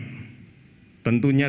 tentunya hal ini akan berhasil